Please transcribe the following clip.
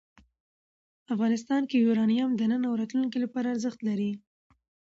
افغانستان کې یورانیم د نن او راتلونکي لپاره ارزښت لري.